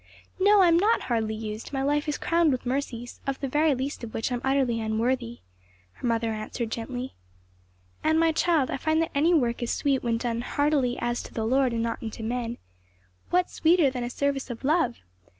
"No, I am not hardly used; my life is crowned with mercies, of the very least of which I am utterly unworthy," her mother answered, gently. "And, my child, I find that any work is sweet when done 'heartily as to the Lord and not unto men!' What sweeter than a service of love!